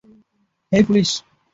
হেই, police!